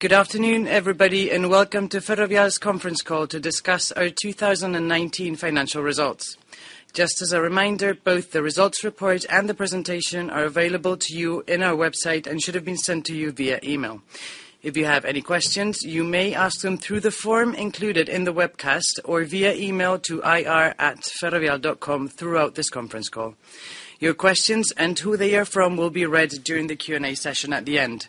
Good afternoon, everybody, and Welcome to Ferrovial's conference call to discuss our 2019 financial results. Just as a reminder, both the results report and the presentation are available to you on our website and should have been sent to you via email. If you have any questions, you may ask them through the form included in the webcast or via email to ir@ferrovial.com throughout this conference call. Your questions and who they are from will be read during the Q&A session at the end.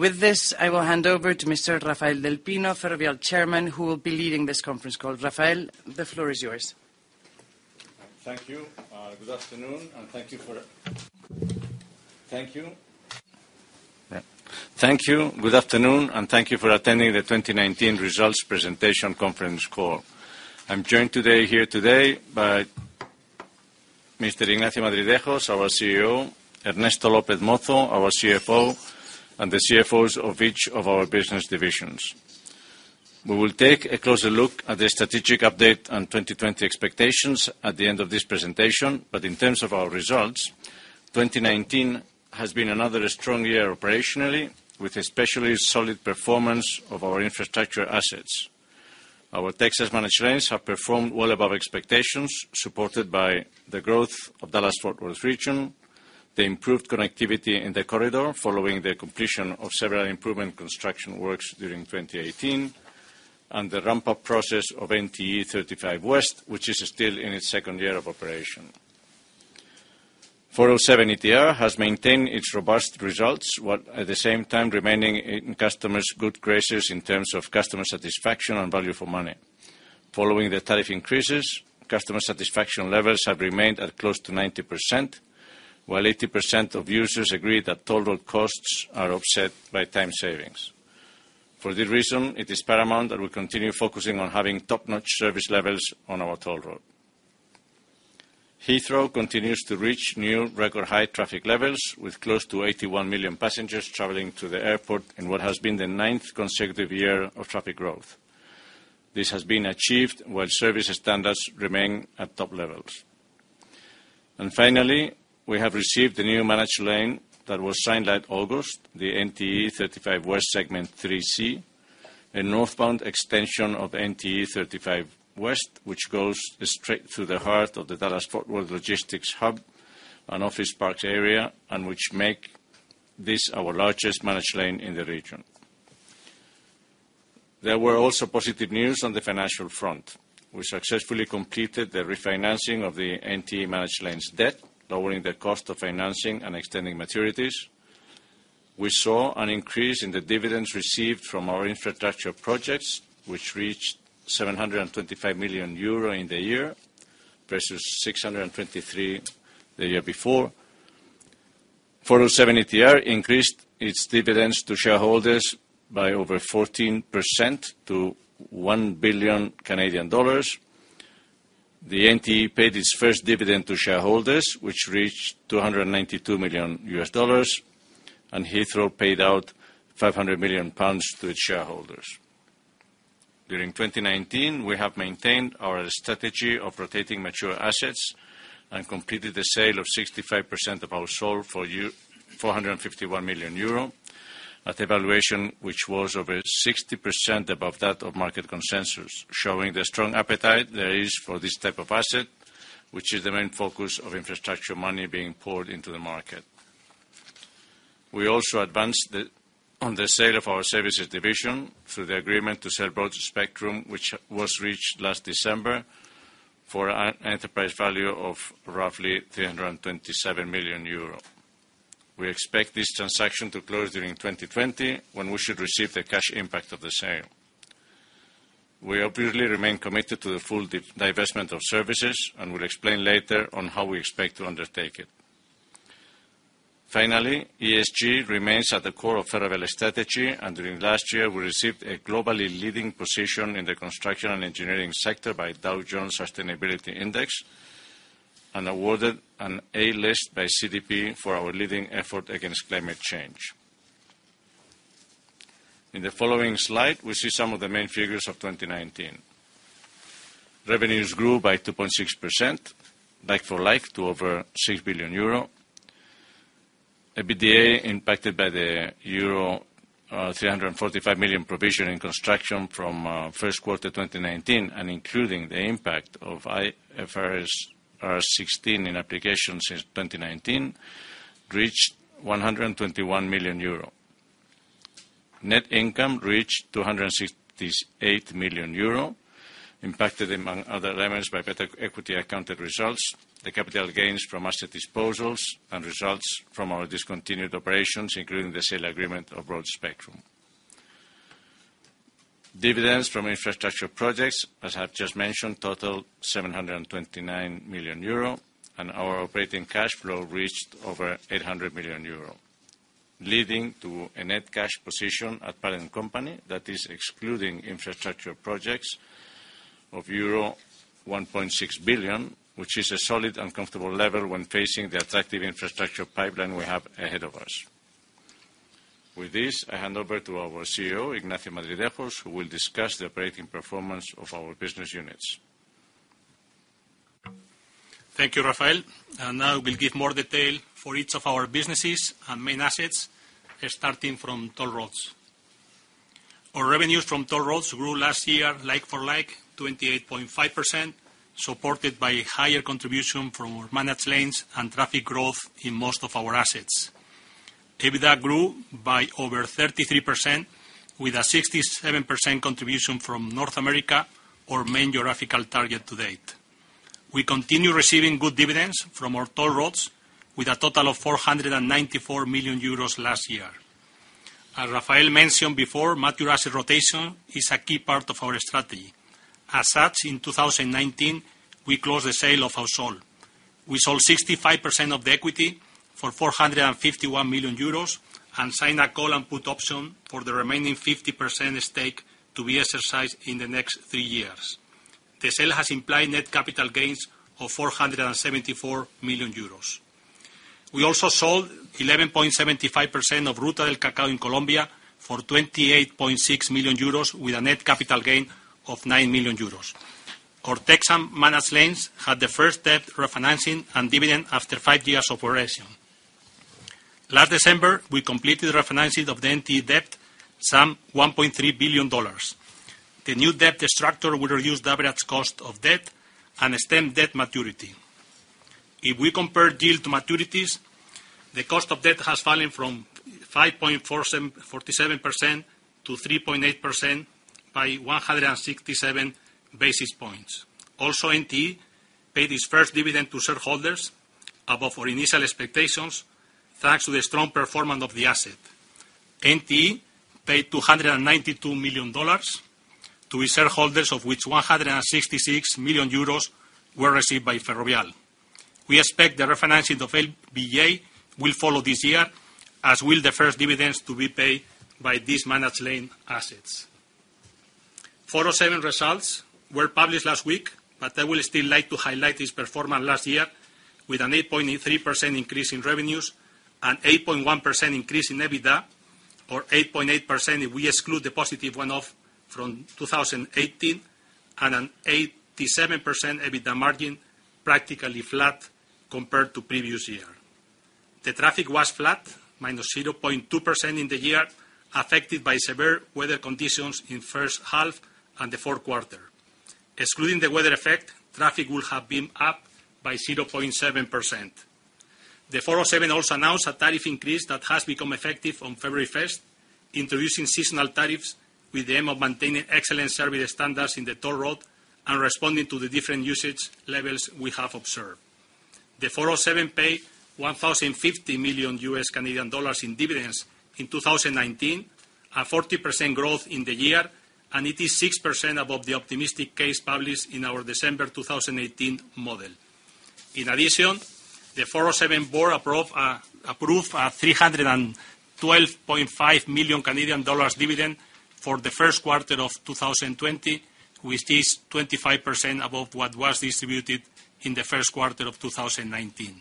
With this, I will hand over to Mr. Rafael del Pino, Ferrovial Chairman, who will be leading this conference call. Rafael, the floor is yours. Thank you. Good afternoon, thank you for attending the 2019 results presentation conference call. I'm joined here today by Mr. Ignacio Madridejos, our CEO, Ernesto López Mozo, our CFO, and the CFOs of each of our business divisions. We will take a closer look at the strategic update and 2020 expectations at the end of this presentation. In terms of our results, 2019 has been another strong year operationally, with especially solid performance of our infrastructure assets. Our Texas managed lanes have performed well above expectations, supported by the growth of Dallas–Fort Worth region, the improved connectivity in the corridor following the completion of several improvement construction works during 2018, and the ramp-up process of NTE 35W, which is still in its second year of operation. 407 ETR has maintained its robust results, while at the same time remaining in customers' good graces in terms of customer satisfaction and value for money. Following the tariff increases, customer satisfaction levels have remained at close to 90%, while 80% of users agree that toll road costs are offset by time savings. For this reason, it is paramount that we continue focusing on having top-notch service levels on our toll road. Heathrow continues to reach new record high traffic levels with close to 81 million passengers traveling to the airport in what has been the ninth consecutive year of traffic growth. This has been achieved while service standards remain at top levels. Finally, we have received the new managed lane that was signed last August, the NTE 35W Segment 3C, a northbound extension of NTE 35W, which goes straight through the heart of the Dallas-Fort Worth logistics hub, an office park area, and which make this our largest managed lane in the region. There were also positive news on the financial front. We successfully completed the refinancing of the NTE managed lanes debt, lowering the cost of financing and extending maturities. We saw an increase in the dividends received from our infrastructure projects, which reached 725 million euro in the year versus 623 million the year before. 407 ETR increased its dividends to shareholders by over 14% to 1 billion Canadian dollars. The NTE paid its first dividend to shareholders, which reached $292 million, and Heathrow paid out 500 million pounds to its shareholders. During 2019, we have maintained our strategy of rotating mature assets and completed the sale of 65% of Ausol for 451 million euro at a valuation which was over 60% above that of market consensus, showing the strong appetite there is for this type of asset, which is the main focus of infrastructure money being poured into the market. We also advanced on the sale of our services division through the agreement to sell Broadspectrum, which was reached last December for an enterprise value of roughly 327 million euro. We expect this transaction to close during 2020, when we should receive the cash impact of the sale. We obviously remain committed to the full divestment of services and will explain later on how we expect to undertake it. ESG remains at the core of Ferrovial's strategy, and during last year, we received a globally leading position in the construction and engineering sector by Dow Jones Sustainability Index, and awarded an A list by CDP for our leading effort against climate change. In the following slide, we see some of the main figures of 2019. Revenues grew by 2.6%, like-for-like to over 6 billion euro. EBITDA impacted by the euro 345 million provision in construction from first quarter 2019 and including the impact of IFRS 16 in applications since 2019, reached 121 million euro. Net income reached 268 million euro, impacted among other elements by better equity accounted results, the capital gains from asset disposals, and results from our discontinued operations, including the sale agreement of Broadspectrum. Dividends from infrastructure projects, as I have just mentioned, totaled 729 million euro, and our operating cash flow reached over 800 million euro, leading to a net cash position at parent company that is excluding infrastructure projects of euro 1.6 billion, which is a solid and comfortable level when facing the attractive infrastructure pipeline we have ahead of us. With this, I hand over to our CEO, Ignacio Madridejos, who will discuss the operating performance of our business units. Thank you, Rafael. Now we'll give more detail for each of our businesses and main assets, starting from toll roads. Our revenues from toll roads grew last year like-for-like 28.5%, supported by higher contribution from our managed lanes and traffic growth in most of our assets. EBITDA grew by over 33% with a 67% contribution from North America, our main geographical target to date. We continue receiving good dividends from our toll roads with a total of 494 million euros last year. As Rafael mentioned before, mature asset rotation is a key part of our strategy. As such, in 2019, we closed the sale of Ausol. We sold 65% of the equity for 451 million euros and signed a call and put option for the remaining 50% stake to be exercised in the next three years. The sale has implied net capital gains of 474 million euros. We also sold 11.75% of Ruta del Cacao in Colombia for 28.6 million euros with a net capital gain of 9 million euros. Our Texan managed lanes had the first debt refinancing and dividend after five years of operation. Last December, we completed refinancing of the NTE debt, some $1.3 billion. The new debt structure will reduce the average cost of debt and extend debt maturity. If we compare deal to maturities, the cost of debt has fallen from 5.47%-3.8% by 167 basis points. NTE paid its first dividend to shareholders above our initial expectations, thanks to the strong performance of the asset. NTE paid $292 million to its shareholders, of which 166 million euros were received by Ferrovial. We expect the refinancing of LBJ will follow this year, as will the first dividends to be paid by these managed lane assets. 407 results were published last week. I will still like to highlight its performance last year with an 8.83% increase in revenues, an 8.1% increase in EBITDA, or 8.8% if we exclude the positive one-off from 2018, and an 87% EBITDA margin, practically flat compared to previous year. The traffic was flat, minus 0.2% in the year, affected by severe weather conditions in first half and the fourth quarter. Excluding the weather effect, traffic would have been up by 0.7%. The 407 also announced a tariff increase that has become effective on February 1st, introducing seasonal tariffs with the aim of maintaining excellent service standards in the toll road and responding to the different usage levels we have observed. The 407 paid 1,050 million in dividends in 2019, a 40% growth in the year. It is 6% above the optimistic case published in our December 2018 model. In addition, the 407 board approved a 312.5 million Canadian dollars dividend for the first quarter of 2020, which is 25% above what was distributed in the first quarter of 2019.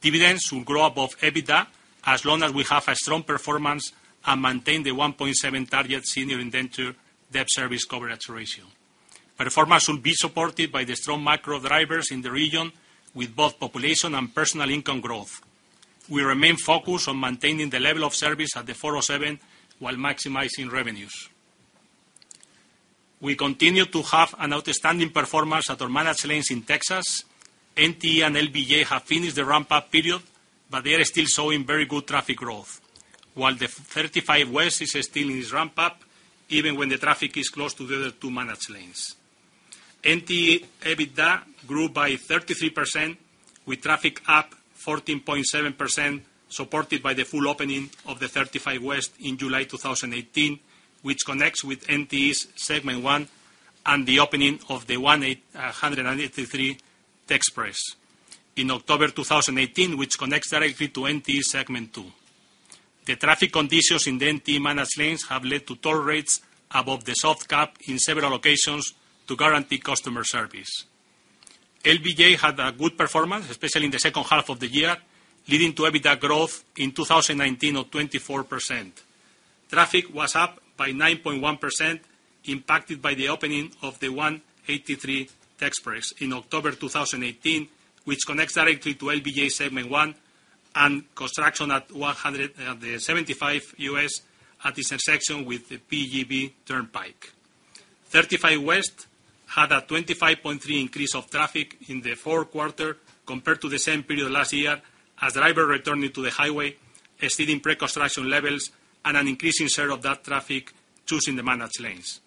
Dividends will grow above EBITDA as long as we have a strong performance and maintain the 1.7 target senior indenture debt service coverage ratio. Performance will be supported by the strong macro drivers in the region with both population and personal income growth. We remain focused on maintaining the level of service at the 407 while maximizing revenues. We continue to have an outstanding performance at our managed lanes in Texas. NTE and LBJ have finished the ramp-up period, but they are still showing very good traffic growth. While the 35 West is still in its ramp-up, even when the traffic is close to the other two managed lanes. NTE EBITDA grew by 33% with traffic up 14.7%, supported by the full opening of the 35 West in July 2018, which connects with NTE's Segment 1 and the opening of the 183 TexPress in October 2018, which connects directly to NTE Segment 2. The traffic conditions in the NTE managed lanes have led to toll rates above the soft cap in several occasions to guarantee customer service. LBJ had a good performance, especially in the second half of the year, leading to EBITDA growth in 2019 of 24%. Traffic was up by 9.1%, impacted by the opening of the 183 TexPress in October 2018, which connects directly to LBJ Segment 1, and construction at the US 75 at its intersection with the President George Bush Turnpike. 35 West had a 25.3 increase of traffic in the fourth quarter compared to the same period last year as drivers returning to the highway exceeding pre-construction levels and an increasing share of that traffic choosing the managed lanes.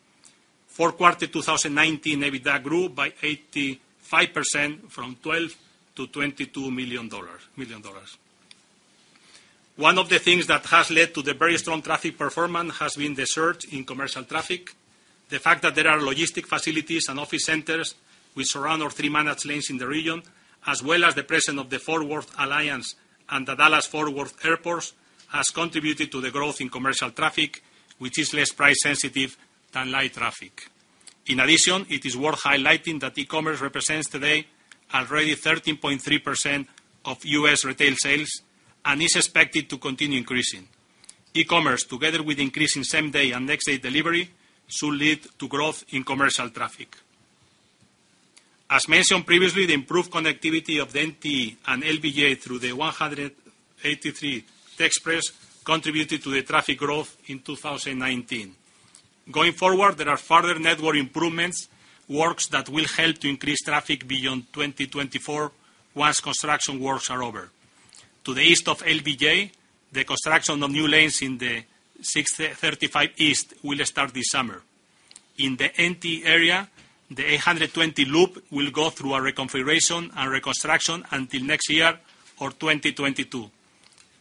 Fourth quarter 2019, EBITDA grew by 85% from EUR 12 million-EUR 22 million. One of the things that has led to the very strong traffic performance has been the surge in commercial traffic. The fact that there are logistic facilities and office centers which surround our three managed lanes in the region, as well as the presence of the Fort Worth Alliance and the Dallas Fort Worth Airport, has contributed to the growth in commercial traffic, which is less price sensitive than light traffic. In addition, it is worth highlighting that E-commerce represents today already 13.3% of U.S. retail sales and is expected to continue increasing. E-commerce, together with increasing same-day and next-day delivery, should lead to growth in commercial traffic. As mentioned previously, the improved connectivity of NTE and LBJ through the 183 Express contributed to the traffic growth in 2019. Going forward, there are further network improvements works that will help to increase traffic beyond 2024, once construction works are over. To the east of LBJ, the construction of new lanes in the 635 East will start this summer. In the NTE area, the 820 Loop will go through a reconfiguration and reconstruction until next year or 2022.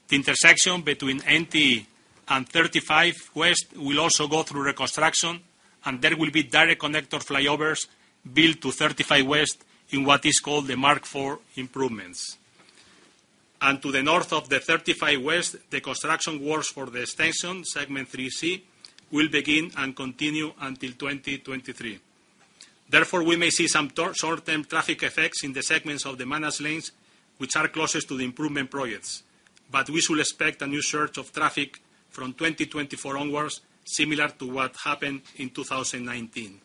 The intersection between NTE and I-35W will also go through reconstruction, and there will be direct connector flyovers built to I-35W in what is called the Mark IV improvements. To the north of the 35 West, the construction works for the extension Segment 3C will begin and continue until 2023. Therefore, we may see some short-term traffic effects in the segments of the managed lanes which are closest to the improvement projects. We should expect a new surge of traffic from 2024 onwards, similar to what happened in 2019.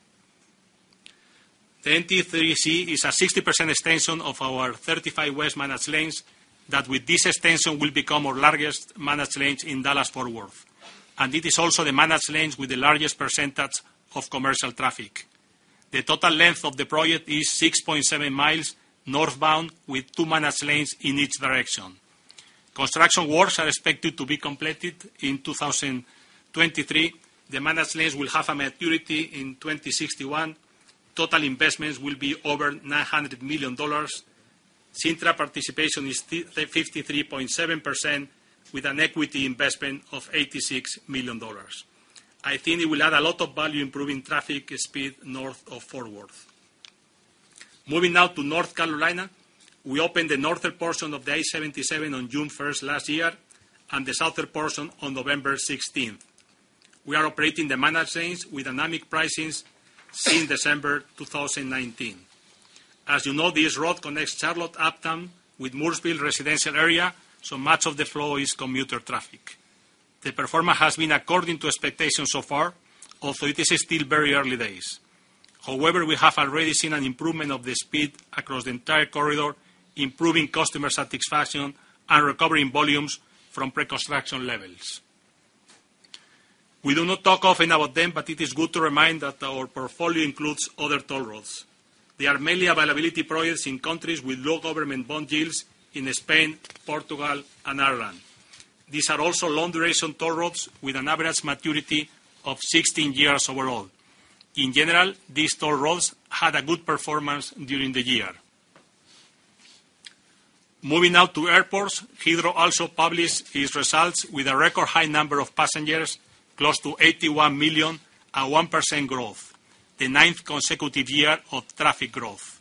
The NTE 3C is a 60% extension of our 35 West managed lanes that, with this extension, will become our largest managed lanes in Dallas-Fort Worth. It is also the managed lanes with the largest percentage of commercial traffic. The total length of the project is 6.7 miles northbound with two managed lanes in each direction. Construction works are expected to be completed in 2023. The managed lanes will have a maturity in 2061. Total investments will be over EUR 900 million. Cintra participation is 53.7% with an equity investment of EUR 86 million. I think it will add a lot of value improving traffic speed north of Fort Worth. Moving now to North Carolina. We opened the northern portion of the I-77 on June 1st last year, and the southern portion on November 16th. We are operating the managed lanes with dynamic pricings since December 2019. As you know, this road connects Charlotte Uptown with Mooresville residential area, so much of the flow is commuter traffic. The performance has been according to expectations so far, although it is still very early days. We have already seen an improvement of the speed across the entire corridor, improving customer satisfaction and recovering volumes from pre-construction levels. We do not talk often about them, but it is good to remind that our portfolio includes other toll roads. They are mainly availability projects in countries with low government bond yields in Spain, Portugal, and Ireland. These are also long-duration toll roads with an average maturity of 16 years overall. In general, these toll roads had a good performance during the year. Moving now to airports. Heathrow also published its results with a record high number of passengers, close to 81 million, a 1% growth, the ninth consecutive year of traffic growth.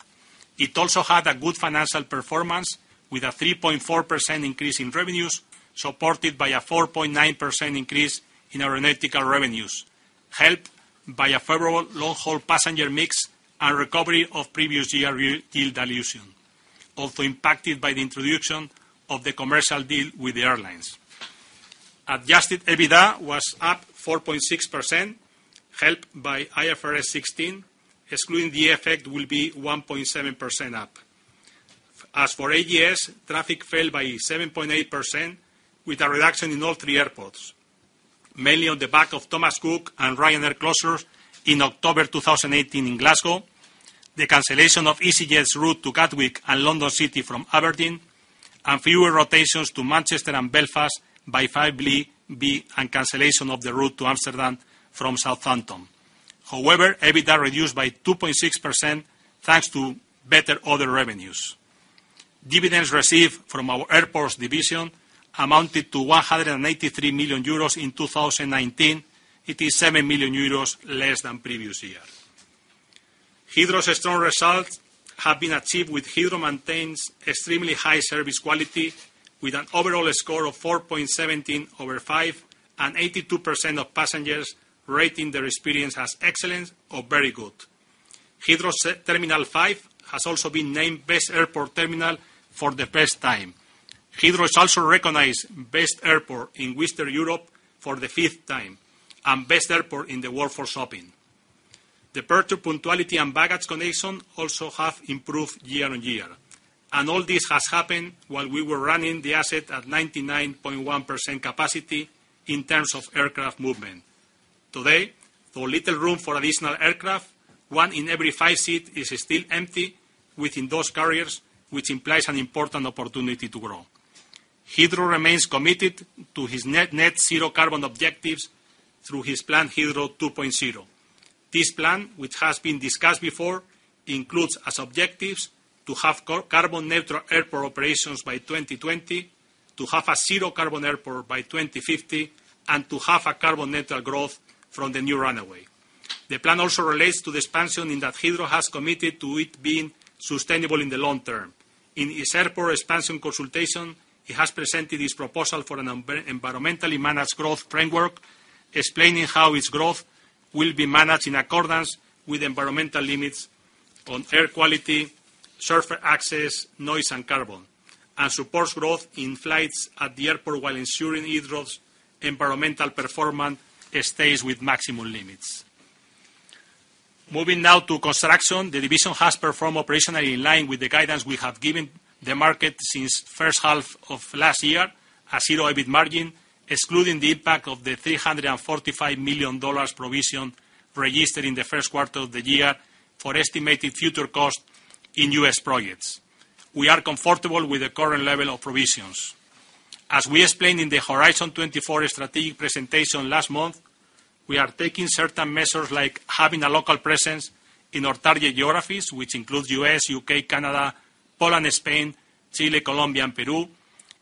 It also had a good financial performance with a 3.4% increase in revenues, supported by a 4.9% increase in aeronautical revenues, helped by a favorable long-haul passenger mix and recovery of previous year yield dilution. Also impacted by the introduction of the commercial deal with the airlines. Adjusted EBITDA was up 4.6%, helped by IFRS 16. Excluding the effect will be 1.7% up. As for AGS, traffic fell by 7.8% with a reduction in all three airports, mainly on the back of Thomas Cook and Ryanair closures in October 2018 in Glasgow, the cancellation of EasyJet's route to Gatwick and London City from Aberdeen, and fewer rotations to Manchester and Belfast by 5V, and cancellation of the route to Amsterdam from Southampton. However, EBITDA reduced by 2.6%, thanks to better other revenues. Dividends received from our airports division amounted to 183 million euros in 2019. It is 7 million euros less than previous year. Heathrow's strong results have been achieved with Heathrow maintains extremely high service quality, with an overall score of 4.17 over five and 82% of passengers rating their experience as excellent or very good. Heathrow terminal 5 has also been named Best Airport Terminal for the first time. Heathrow is also recognized Best Airport in Western Europe for the fifth time, Best Airport in the world for shopping. Departure punctuality and baggage collection also have improved year on year. All this has happened while we were running the asset at 99.1% capacity in terms of aircraft movement. Today, with little room for additional aircraft, one in every five seats is still empty within those carriers, which implies an important opportunity to grow. Heathrow remains committed to its net zero carbon objectives through its plan, Heathrow 2.0. This plan, which has been discussed before, includes as objectives to have carbon-neutral airport operations by 2020, to have a zero-carbon airport by 2050, and to have a carbon-neutral growth from the new runway. The plan also relates to the expansion in that Heathrow has committed to it being sustainable in the long term. In its airport expansion consultation, it has presented its proposal for an environmentally managed growth framework, explaining how its growth will be managed in accordance with environmental limits. On air quality, surface access, noise and carbon, and supports growth in flights at the airport while ensuring Heathrow's environmental performance stays with maximum limits. Moving now to construction. The division has performed operationally in line with the guidance we have given the market since first half of last year, a zero EBIT margin, excluding the impact of the $345 million provision registered in the first quarter of the year for estimated future cost in U.S. projects. We are comfortable with the current level of provisions. As we explained in the Horizon 24 strategic presentation last month, we are taking certain measures like having a local presence in our target geographies, which includes U.S., U.K., Canada, Poland, Spain, Chile, Colombia, and Peru.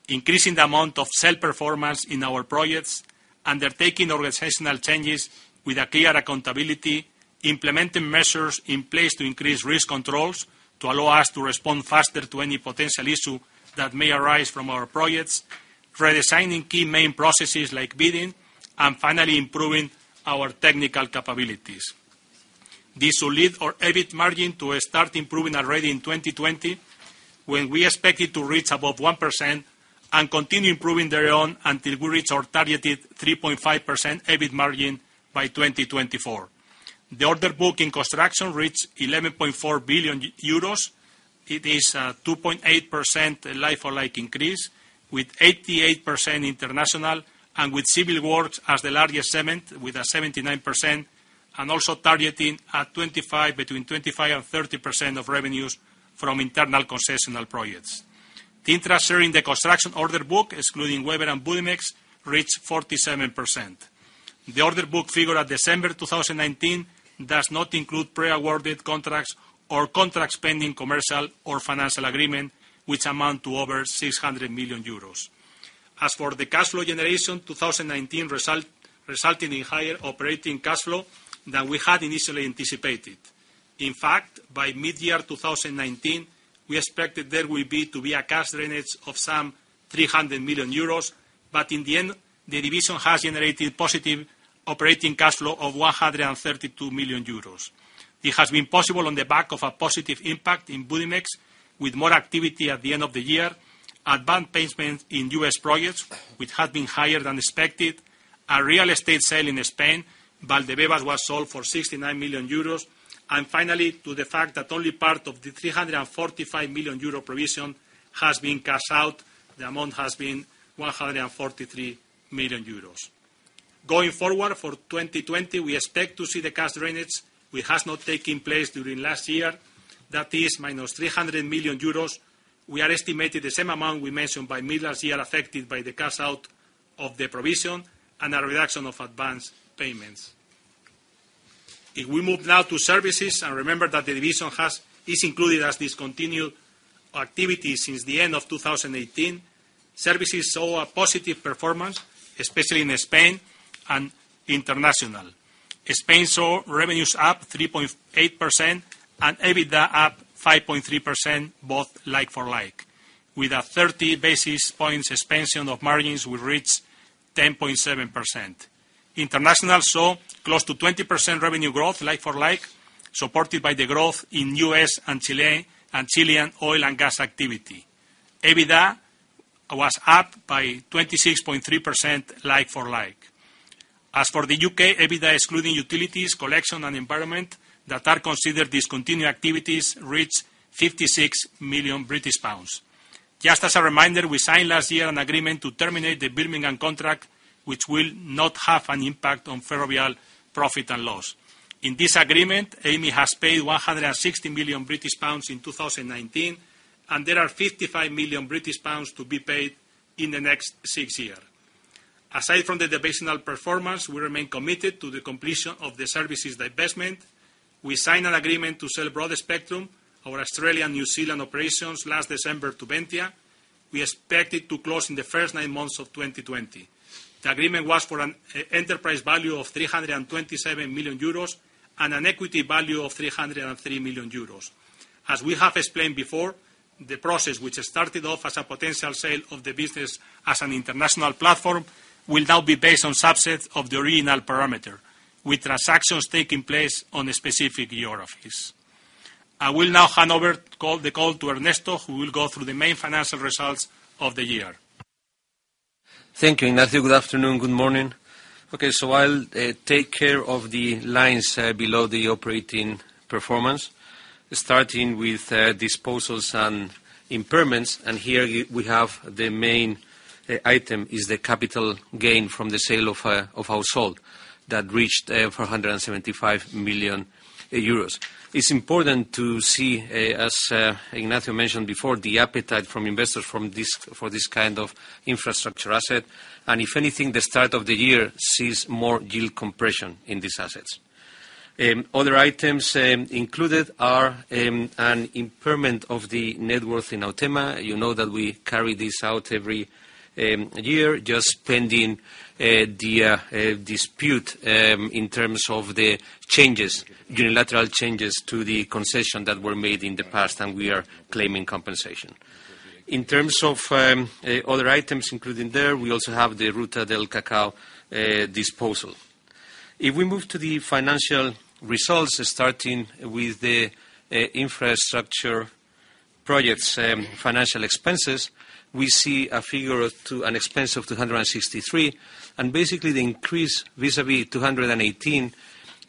Increasing the amount of self-performance in our projects, undertaking organizational changes with a clear accountability, implementing measures in place to increase risk controls to allow us to respond faster to any potential issue that may arise from our projects, redesigning key main processes like bidding, and finally, improving our technical capabilities. This will lead our EBIT margin to start improving already in 2020, when we expect it to reach above 1% and continue improving thereon until we reach our targeted 3.5% EBIT margin by 2024. The order book in construction reached 11.4 billion euros. It is a 2.8% like-for-like increase, with 88% international, and with civil works as the largest segment with a 79%, and also targeting between 25% and 30% of revenues from internal concessional projects. The interest during the construction order book, excluding Webber and Budimex, reached 47%. The order book figure at December 2019 does not include pre-awarded contracts or contracts pending commercial or financial agreement, which amount to over 600 million euros. As for the cash flow generation, 2019 resulted in higher operating cash flow than we had initially anticipated. In fact, by mid-year 2019, we expected there to be a cash drainage of some 300 million euros, but in the end, the division has generated positive operating cash flow of 132 million euros. It has been possible on the back of a positive impact in Budimex, with more activity at the end of the year. Advanced payments in U.S. projects, which have been higher than expected. A real estate sale in Spain. Valdebebas was sold for 69 million euros. Finally, to the fact that only part of the 345 million euro provision has been cashed out. The amount has been 143 million euros. Going forward for 2020, we expect to see the cash drainage which has not taken place during last year. That is, minus 300 million euros. We are estimating the same amount we mentioned by mid-last year affected by the cash out of the provision and a reduction of advanced payments. If we move now to services, and remember that the division is included as discontinued activities since the end of 2018. Services saw a positive performance, especially in Spain and international. Spain saw revenues up 3.8% and EBITDA up 5.3%, both like-for-like. With a 30 basis points expansion of margins, we reached 10.7%. International saw close to 20% revenue growth like-for-like, supported by the growth in U.S. and Chilean oil and gas activity. EBITDA was up by 26.3% like-for-like. As for the U.K., EBITDA excluding utilities, collection, and environment, that are considered discontinued activities, reached 56 million British pounds. Just as a reminder, we signed last year an agreement to terminate the Birmingham contract, which will not have an impact on Ferrovial profit and loss. In this agreement, Amey has paid 160 million British pounds in 2019, and there are 55 million British pounds to be paid in the next six year. Aside from the divisional performance, we remain committed to the completion of the services divestment. We signed an agreement to sell Broadspectrum, our Australian/New Zealand operations last December to Ventia. We expect it to close in the first nine months of 2020. The agreement was for an enterprise value of 327 million euros and an equity value of 303 million euros. As we have explained before, the process which started off as a potential sale of the business as an international platform, will now be based on subset of the original parameter, with transactions taking place on the specific geographies. I will now hand over the call to Ernesto, who will go through the main financial results of the year. Thank you, Ignacio. Good afternoon, good morning. Okay, I'll take care of the lines below the operating performance. Starting with disposals and impairments, here we have the main item is the capital gain from the sale of Ausol that reached 475 million euros. It's important to see, as Ignacio mentioned before, the appetite from investors for this kind of infrastructure asset. If anything, the start of the year sees more yield compression in these assets. Other items included are an impairment of the net worth in Autema. You know that we carry this out every year, just pending the dispute in terms of the unilateral changes to the concession that were made in the past, and we are claiming compensation. In terms of other items included there, we also have the Ruta del Cacao disposal. If we move to the financial results, starting with the infrastructure projects financial expenses, we see a figure, an expense of 263. Basically the increase vis-a-vis 218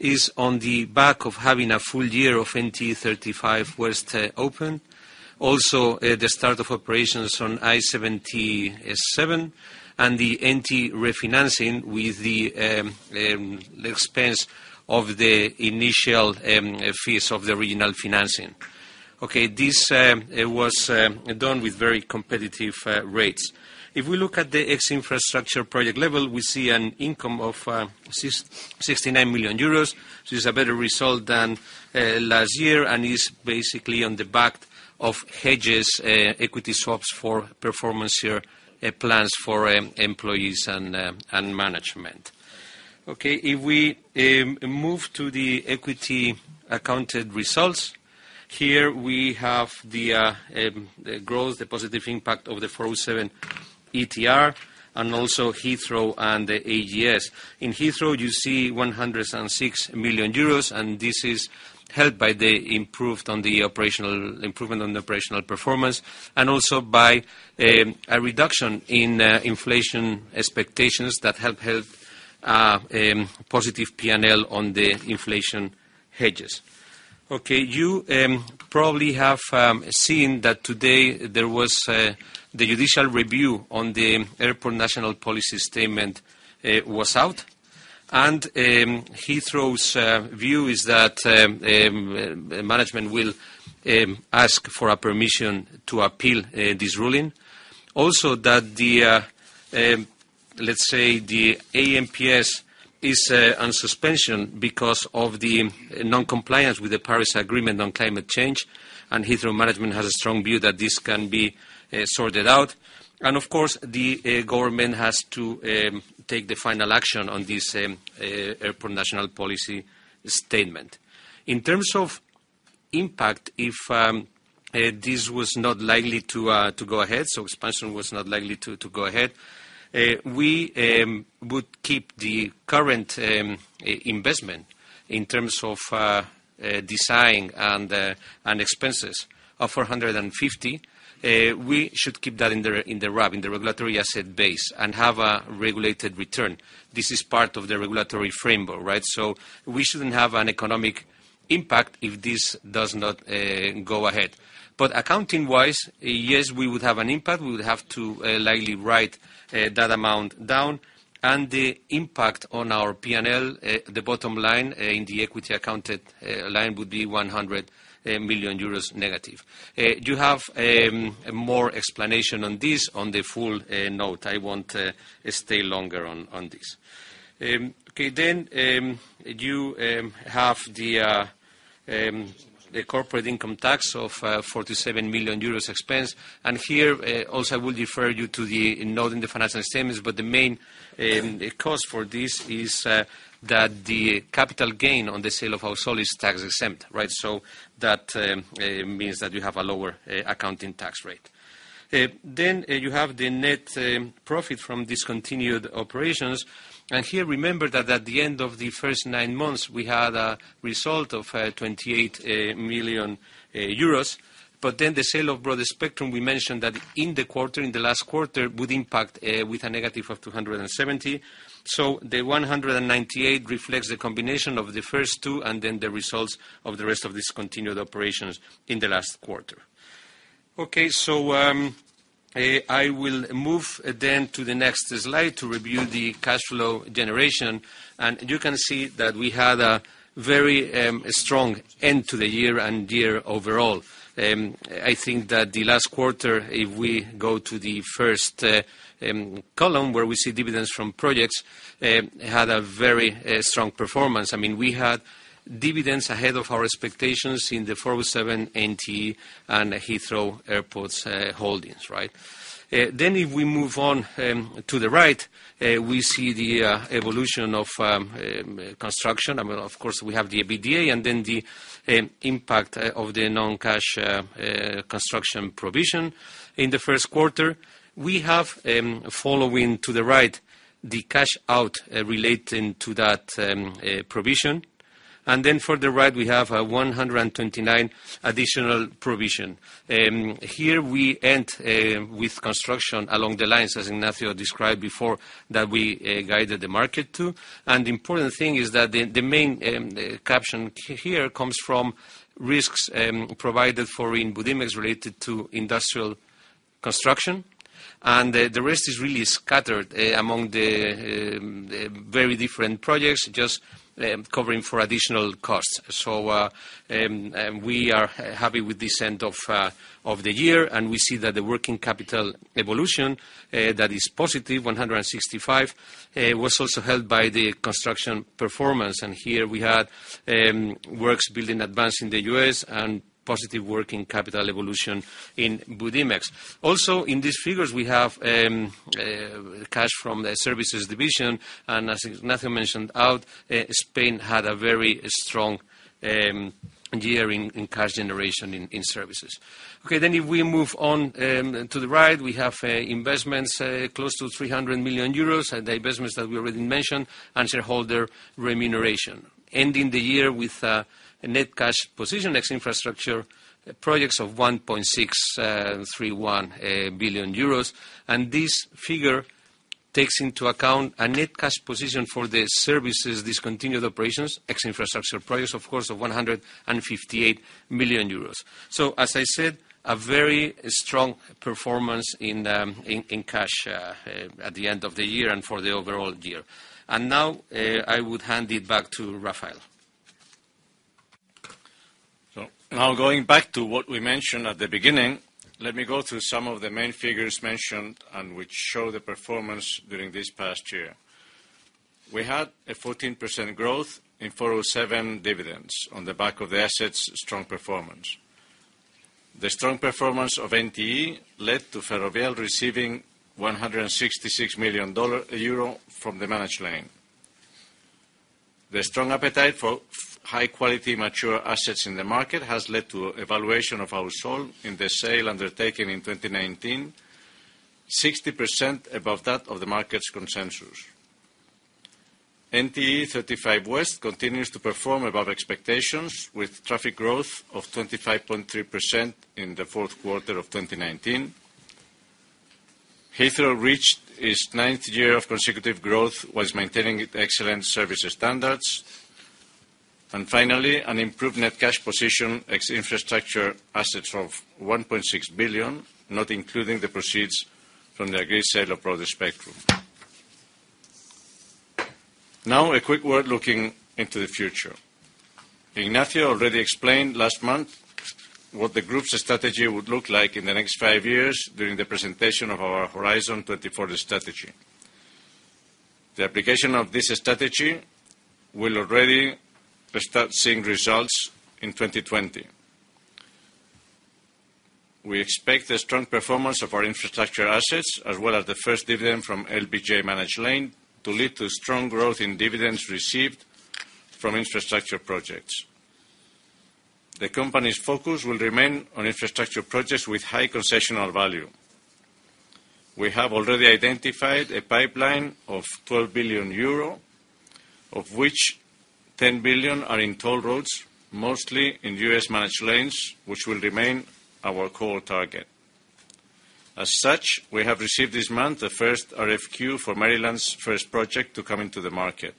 is on the back of having a full year of NTE 35W open. Also, the start of operations on I-77 and the NTE refinancing with the expense of the initial fees of the original financing. Okay, this was done with very competitive rates. If we look at the ex infrastructure project level, we see an income of 69 million euros, which is a better result than last year and is basically on the back of hedges equity swaps for performance year plans for employees and management. If we move to the equity accounted results, here, we have the growth, the positive impact of the 407 ETR and also Heathrow and the AGS. In Heathrow, you see 106 million euros, and this is helped by the improvement on the operational performance and also by a reduction in inflation expectations that have helped positive P&L on the inflation hedges. You probably have seen that today there was the judicial review on the Airports National Policy Statement was out. Heathrow's view is that management will ask for a permission to appeal this ruling. Also that the ANPS is on suspension because of the non-compliance with the Paris Agreement on climate change. Heathrow management has a strong view that this can be sorted out. Of course, the government has to take the final action on this Airports National Policy Statement. In terms of impact, if this was not likely to go ahead, expansion was not likely to go ahead, we would keep the current investment in terms of design and expenses of 450. We should keep that in the RAB, in the regulatory asset base, and have a regulated return. This is part of the regulatory framework, right? We shouldn't have an economic impact if this does not go ahead. Accounting-wise, yes, we would have an impact. We would have to likely write that amount down, and the impact on our P&L, the bottom line in the equity accounted line would be 100 million euros negative. You have more explanation on this on the full note. I won't stay longer on this. Okay, you have the corporate income tax of 47 million euros expense, and here, also I would refer you to the note in the financial statements, but the main cost for this is that the capital gain on the sale of Ausol is tax-exempt, right? That means that you have a lower accounting tax rate. You have the net profit from discontinued operations. Here, remember that at the end of the first nine months, we had a result of 28 million euros, but the sale of Broadspectrum, we mentioned that in the last quarter would impact with a negative of 270 million. The 198 million reflects the combination of the first two and the results of the rest of discontinued operations in the last quarter. Okay. I will move then to the next slide to review the cash flow generation. You can see that we had a very strong end to the year and year overall. I think that the last quarter, if we go to the first column where we see dividends from projects, had a very strong performance. We had dividends ahead of our expectations in the 407 ETR and Heathrow Airport Holdings, right? If we move on to the right, we see the evolution of construction. Of course, we have the EBITDA and then the impact of the non-cash construction provision in the first quarter. We have following to the right, the cash out relating to that provision. Further right, we have 129 additional provision. Here we end with construction along the lines, as Ignacio described before, that we guided the market to. The important thing is that the main caption here comes from risks provided for in Budimex related to industrial construction, and the rest is really scattered among the very different projects, just covering for additional costs. We are happy with this end of the year, and we see that the working capital evolution, that is positive, 165, was also helped by the construction performance. Here we had works building advance in the U.S. and positive working capital evolution in Budimex. Also in these figures, we have cash from the services division, and as Ignacio mentioned out, Spain had a very strong year in cash generation in services. If we move on to the right, we have investments close to 300 million euros, the investments that we already mentioned, and shareholder remuneration, ending the year with a net cash position, ex infrastructure projects of 1.631 billion euros. This figure takes into account a net cash position for the services discontinued operations, ex infrastructure price, of course, of 158 million euros. As I said, a very strong performance in cash at the end of the year and for the overall year. Now, I would hand it back to Rafael. Now going back to what we mentioned at the beginning, let me go through some of the main figures mentioned and which show the performance during this past year. We had a 14% growth in 407 dividends on the back of the assets' strong performance. The strong performance of NTE led to Ferrovial receiving EUR 166 million from the managed lane. The strong appetite for high-quality mature assets in the market has led to evaluation of Ausol in the sale undertaken in 2019, 60% above that of the market's consensus. NTE 35 West continues to perform above expectations, with traffic growth of 25.3% in the fourth quarter of 2019. Heathrow reached its ninth year of consecutive growth while maintaining its excellent service standards. Finally, an improved net cash position, ex infrastructure assets of 1.6 billion, not including the proceeds from the agreed sale of Broadspectrum. Now a quick word looking into the future. Ignacio already explained last month what the group's strategy would look like in the next five years during the presentation of our Horizon 24 strategy. The application of this strategy will already start seeing results in 2020. We expect the strong performance of our infrastructure assets, as well as the first dividend from LBJ Managed Lane, to lead to strong growth in dividends received from infrastructure projects. The company's focus will remain on infrastructure projects with high concessional value. We have already identified a pipeline of 12 billion euro, of which 10 billion are in toll roads, mostly in U.S. managed lanes, which will remain our core target. As such, we have received this month the first RFQ for Maryland's first project to come into the market.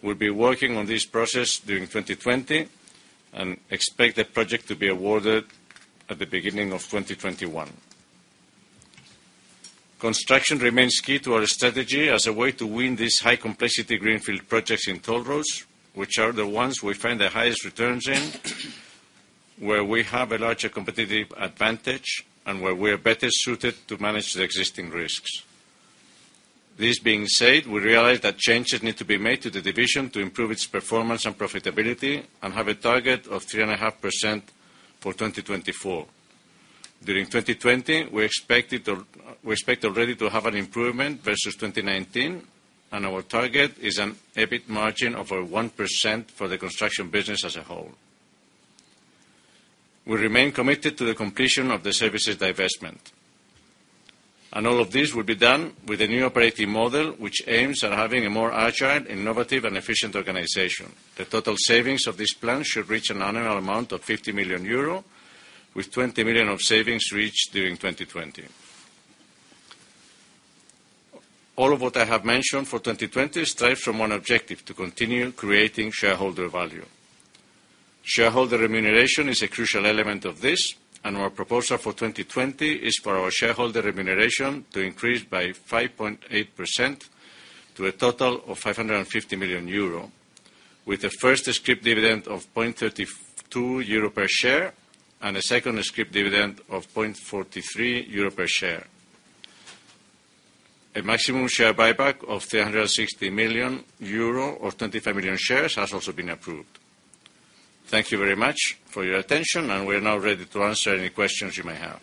We'll be working on this process during 2020 and expect the project to be awarded at the beginning of 2021. Construction remains key to our strategy as a way to win these high-complexity greenfield projects in toll roads, which are the ones we find the highest returns in, where we have a larger competitive advantage, and where we're better suited to manage the existing risks. This being said, we realize that changes need to be made to the division to improve its performance and profitability and have a target of 3.5% for 2024. During 2020, we expect already to have an improvement versus 2019, and our target is an EBIT margin of 1% for the construction business as a whole. We remain committed to the completion of the services divestment. All of this will be done with a new operating model, which aims at having a more agile, innovative, and efficient organization. The total savings of this plan should reach an annual amount of 50 million euro, with 20 million of savings reached during 2020. All of what I have mentioned for 2020 strive from one objective, to continue creating shareholder value. Shareholder remuneration is a crucial element of this, and our proposal for 2020 is for our shareholder remuneration to increase by 5.8% to a total of 550 million euro, with the first script dividend of 0.32 euro per share and a second script dividend of 0.43 euro per share. A maximum share buyback of 360 million euro or 25 million shares has also been approved. Thank you very much for your attention. We're now ready to answer any questions you may have.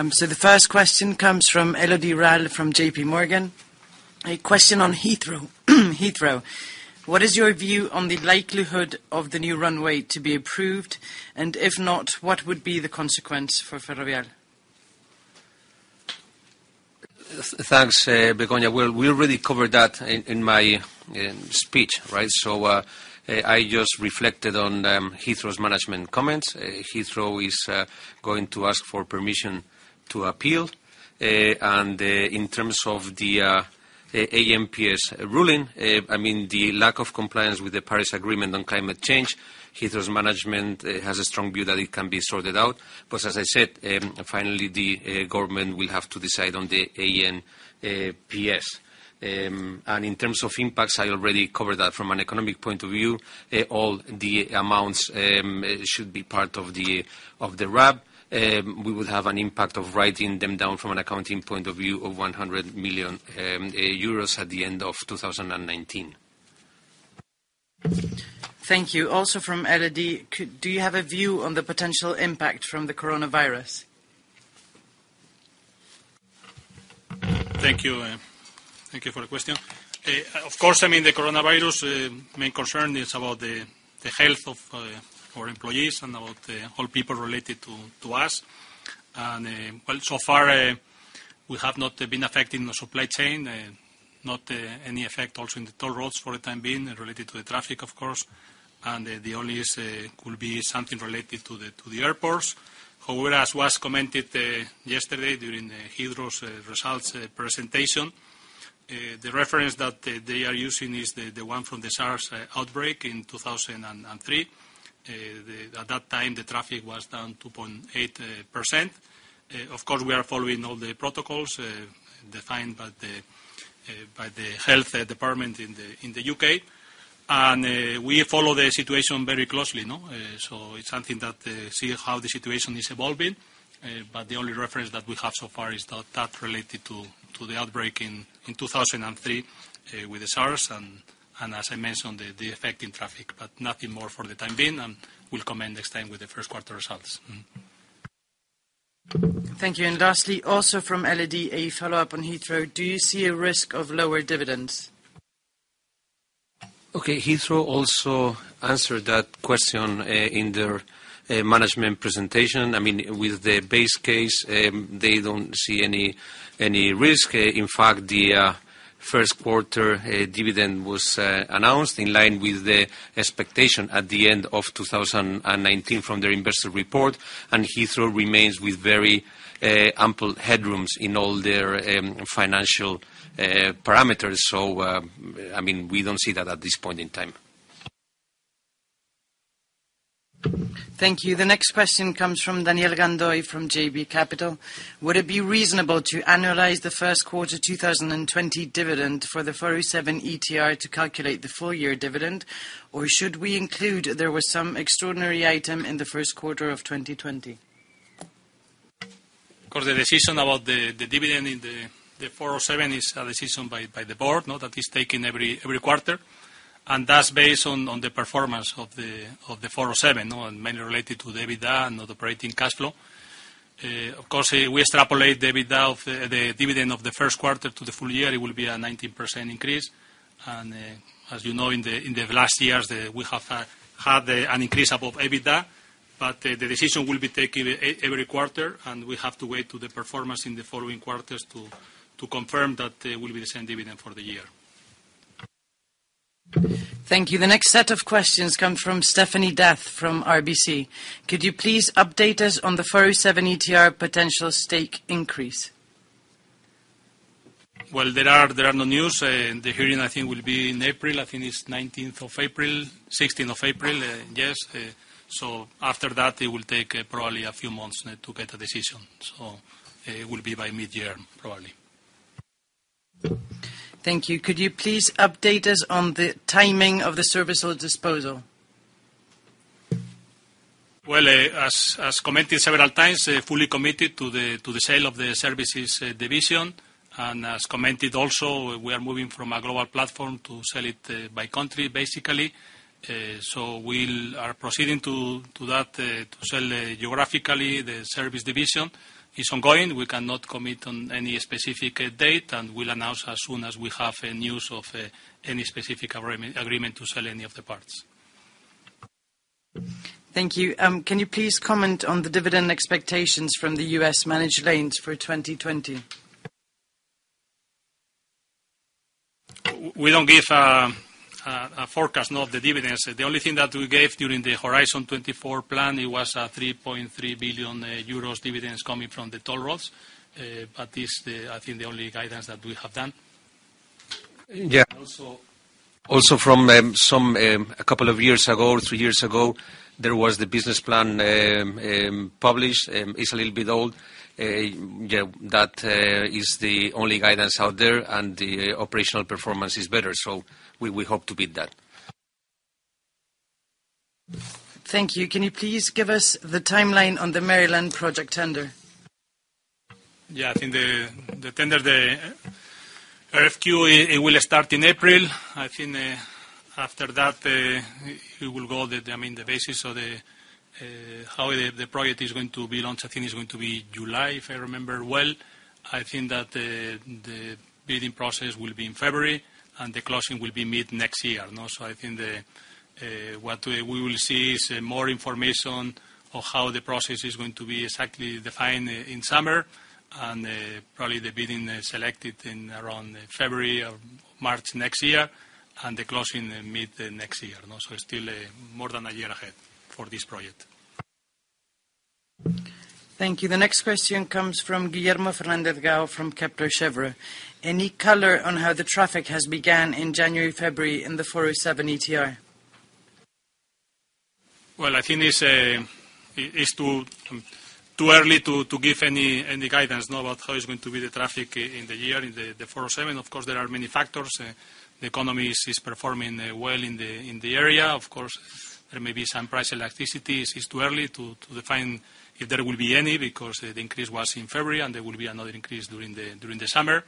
The first question comes from Elodie Rall from JPMorgan. A question on Heathrow. "What is your view on the likelihood of the new runway to be approved? If not, what would be the consequence for Ferrovial?" Thanks, Begoña. Well, we already covered that in my speech, right? I just reflected on Heathrow's management comments. Heathrow is going to ask for permission to appeal. In terms of the ANPS ruling, I mean, the lack of compliance with the Paris Agreement on climate change, Heathrow's management has a strong view that it can be sorted out. As I said, finally the government will have to decide on the ANPS. In terms of impacts, I already covered that from an economic point of view. All the amounts should be part of the RAB. We would have an impact of writing them down from an accounting point of view of 100 million euros at the end of 2019. Thank you. Also from Elodie, "Do you have a view on the potential impact from the coronavirus?" Thank you for the question. Of course, the coronavirus main concern is about the health of our employees and about all people related to us. So far, we have not been affecting the supply chain, not any effect also in the toll roads for the time being related to the traffic, of course. The only could be something related to the airports. However, as was commented yesterday during Heathrow's results presentation, the reference that they are using is the one from the SARS outbreak in 2003. At that time, the traffic was down 2.8%. Of course, we are following all the protocols defined by the health department in the U.K. We follow the situation very closely. It's something that see how the situation is evolving. The only reference that we have so far is that related to the outbreak in 2003 with the SARS, and as I mentioned, the effect in traffic, but nothing more for the time being. We'll comment next time with the first quarter results. Thank you. Lastly, also from Elodie, a follow-up on Heathrow. Do you see a risk of lower dividends? Heathrow also answered that question in their management presentation. With the base case, they don't see any risk. In fact, the first quarter dividend was announced in line with the expectation at the end of 2019 from their investor report. Heathrow remains with very ample headrooms in all their financial parameters. We don't see that at this point in time. Thank you. The next question comes from Daniel Gandoy from JB Capital. "Would it be reasonable to annualize the first quarter 2020 dividend for the 407 ETR to calculate the full-year dividend? Should we include there was some extraordinary item in the first quarter of 2020?" The decision about the dividend in the 407 is a decision by the board. Now that is taken every quarter, and that is based on the performance of the 407, and mainly related to the EBITDA and operating cash flow. Of course, we extrapolate the EBITDA of the dividend of the first quarter to the full year, it will be a 19% increase. As you know, in the last years, we have had an increase above EBITDA. The decision will be taken every quarter, and we have to wait to the performance in the following quarters to confirm that it will be the same dividend for the year. Thank you. The next set of questions come from Stephanie D'Ath from RBC. "Could you please update us on the 407 ETR potential stake increase?" Well, there are no news. The hearing I think will be in April. I think it's 19th of April, 16th of April. Yes. After that, it will take probably a few months to get a decision. It will be by mid-year, probably. Thank you. "Could you please update us on the timing of the service or disposal?" Well, as commented several times, fully committed to the sale of the services division. As commented also, we are moving from a global platform to sell it by country, basically. We are proceeding to that to sell geographically the service division. It's ongoing. We cannot commit on any specific date, and we'll announce as soon as we have news of any specific agreement to sell any of the parts. Thank you. "Can you please comment on the dividend expectations from the U.S. managed lanes for 2020?" We don't give a forecast, not the dividends. The only thing that we gave during the Horizon 24 plan, it was 3.3 billion euros dividends coming from the toll roads. This, I think, the only guidance that we have done. Yeah. Also from a couple of years ago, three years ago, there was the business plan published. It's a little bit old. That is the only guidance out there, and the operational performance is better. We hope to beat that. Thank you. "Can you please give us the timeline on the Maryland project tender?" I think the tender, the RFQ, it will start in April. I think after that it will go the basis of how the project is going to be launched. I think it's going to be July, if I remember well. I think that the bidding process will be in February, and the closing will be mid-next year. I think what we will see is more information on how the process is going to be exactly defined in summer, and probably the bidding selected in around February or March next year. The closing mid-next year. Still more than a year ahead for this project. Thank you. The next question comes from Guillermo Fernandez-Gao from Kepler Cheuvreux. "Any color on how the traffic has began in January, February in the 407 ETR?" Well, I think it's too early to give any guidance now about how it's going to be the traffic in the year in the 407. Of course, there are many factors. The economy is performing well in the area. Of course, there may be some price elasticity. It's too early to define if there will be any because the increase was in February, and there will be another increase during the summer.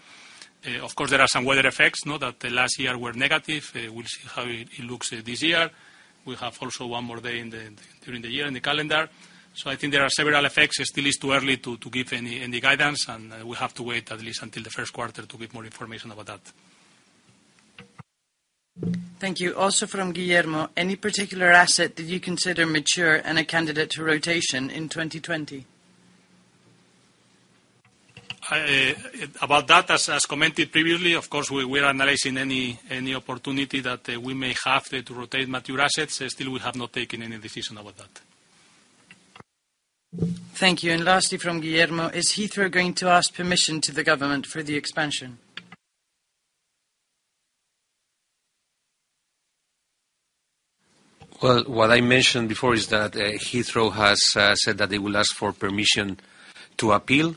Of course, there are some weather effects, that last year were negative. We'll see how it looks this year. We have also one more day during the year in the calendar. I think there are several effects. It still is too early to give any guidance, and we have to wait at least until the first quarter to give more information about that. Thank you. Also from Guillermo, any particular asset that you consider mature and a candidate to rotation in 2020? About that, as commented previously, of course, we are analyzing any opportunity that we may have to rotate mature assets. Still, we have not taken any decision about that. Thank you. Lastly, from Guillermo, "Is Heathrow going to ask permission to the government for the expansion?" Well, what I mentioned before is that Heathrow has said that they will ask for permission to appeal,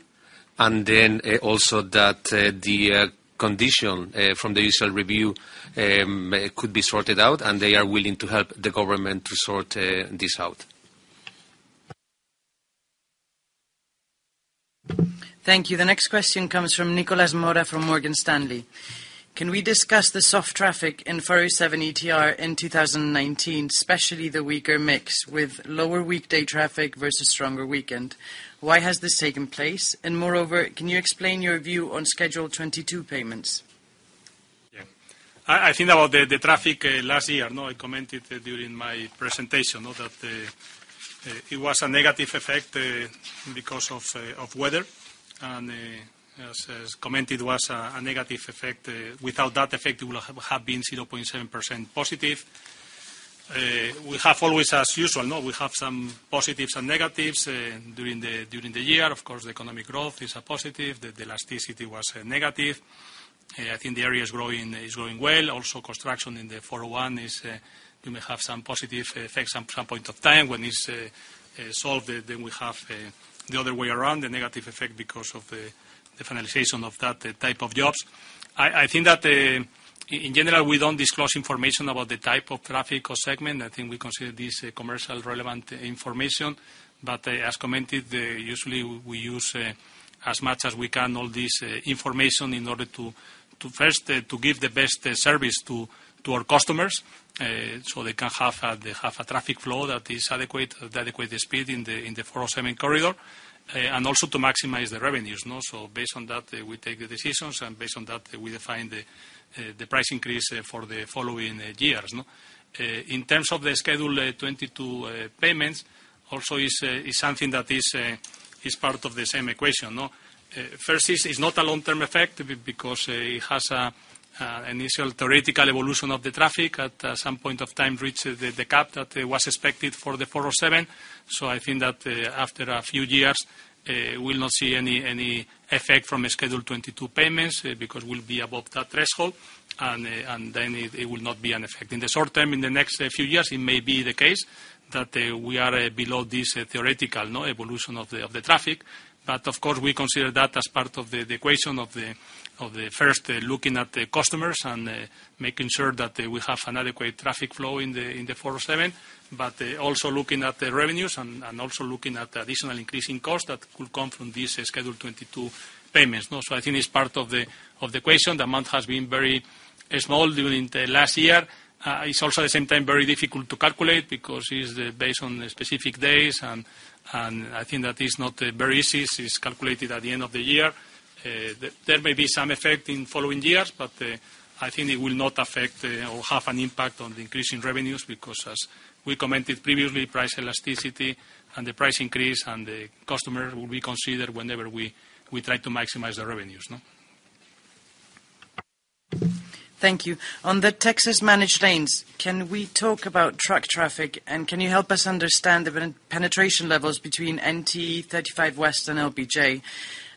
and then also that the condition from the initial review could be sorted out, and they are willing to help the government to sort this out. Thank you. The next question comes from Nicolas Mora, from Morgan Stanley. Can we discuss the soft traffic in 407 ETR in 2019, especially the weaker mix with lower weekday traffic versus stronger weekend? Why has this taken place? Moreover, can you explain your view on Schedule 22 payments? Yeah. I think about the traffic last year. I commented during my presentation that it was a negative effect because of weather and as commented, was a negative effect. Without that effect, it would have been 0.7% positive. We have always, as usual, we have some positives and negatives during the year. Of course, the economic growth is a positive. The elasticity was negative. I think the area is growing well. Also, construction in the 407 ETR, we may have some positive effects at some point of time when it's solved, then we have the other way around, the negative effect because of the finalization of that type of jobs. I think that in general, we don't disclose information about the type of traffic or segment. I think we consider this commercial relevant information. As commented, usually we use as much as we can all this information in order to first, to give the best service to our customers, so they can have a traffic flow that is adequate, the adequate speed in the 407 corridor. Also to maximize the revenues. Based on that, we take the decisions, and based on that, we define the price increase for the following years. In terms of the Schedule 22 payments, also is something that is part of the same equation. First, it's not a long-term effect because it has initial theoretical evolution of the traffic. At some point of time, it reached the cap that was expected for the 407. I think that after a few years, we'll not see any effect from Schedule 22 payments because we'll be above that threshold, and then it will not be an effect. In the short term, in the next few years, it may be the case that we are below this theoretical evolution of the traffic. Of course, we consider that as part of the equation of the first, looking at the customers and making sure that they will have an adequate traffic flow in the 407, but also looking at the revenues and also looking at the additional increasing cost that could come from these Schedule 22 payments. I think it's part of the equation. The amount has been very small during the last year. It's also, at the same time, very difficult to calculate because it is based on the specific days, and I think that is not very easy. It's calculated at the end of the year. There may be some effect in following years, but I think it will not affect or have an impact on the increase in revenues because, as we commented previously, price elasticity and the price increase and the customer will be considered whenever we try to maximize the revenues. Thank you. On the Texas managed lanes, "Can we talk about truck traffic, and can you help us understand the penetration levels between NTE 35W and LBJ?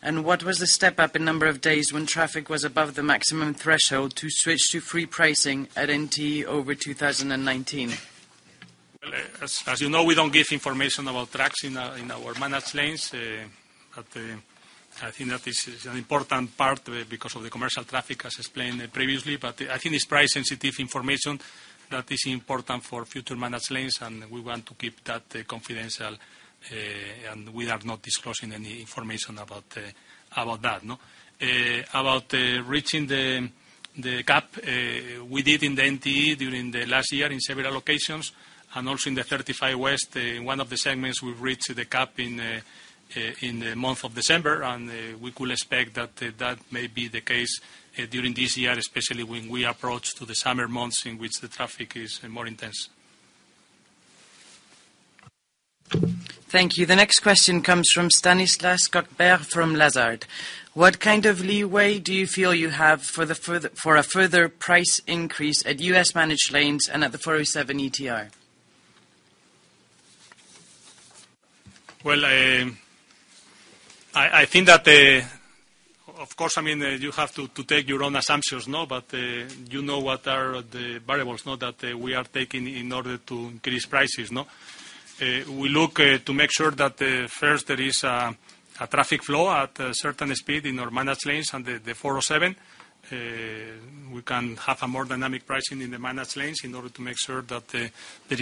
What was the step-up in number of days when traffic was above the maximum threshold to switch to free pricing at NTE over 2019?" Well, as you know, we don't give information about trucks in our managed lanes. I think that this is an important part because of the commercial traffic, as explained previously, but I think it's price-sensitive information that is important for future managed lanes, and we want to keep that confidential, and we are not disclosing any information about that. About reaching the cap, we did in the NT during the last year in several occasions, and also in the 35 West, one of the segments we reached the cap in the month of December, and we could expect that that may be the case during this year, especially when we approach to the summer months in which the traffic is more intense. Thank you. The next question comes from Stanislas Godde from Lazard. "What kind of leeway do you feel you have for a further price increase at U.S. managed lanes and at the 407 ETR?" Well, I think that, of course, you have to take your own assumptions, but you know what are the variables that we are taking in order to increase prices. We look to make sure that first there is a traffic flow at a certain speed in our managed lanes and the 407. We can have a more dynamic pricing in the managed lanes in order to make sure that there